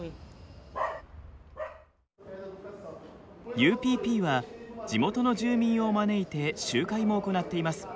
ＵＰＰは地元の住民を招いて集会も行っています。